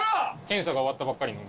検査が終わったばっかりの。